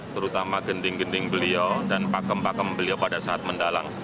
terutama gending gending beliau dan pakem pakem beliau pada saat mendalang